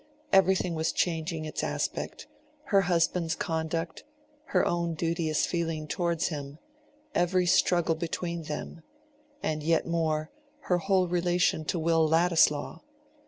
Everything was changing its aspect: her husband's conduct, her own duteous feeling towards him, every struggle between them—and yet more, her whole relation to Will Ladislaw.